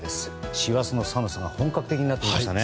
師走の寒さが本格的になってきましたね。